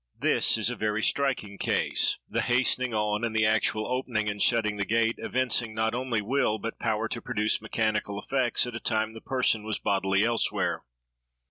This is a very striking case; the hastening on, and the actually opening and shutting the gate, evincing not only will but power to produce mechanical effects, at a time the person was bodily elsewhere.